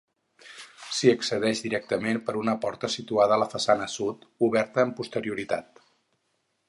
S'hi accedeix directament per una porta situada a la façana sud, oberta amb posterioritat.